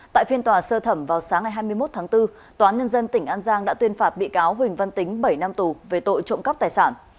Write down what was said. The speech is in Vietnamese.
tại phiên tòa sơ thẩm vào sáng ngày hai mươi một tháng bốn tòa án nhân dân tỉnh an giang đã tuyên phạt bị cáo huỳnh văn tính bảy năm tù về tội trộm cắp tài sản